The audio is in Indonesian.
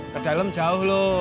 ke dalam jauh lo